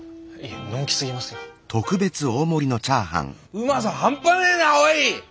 うまさハンパねえなおい！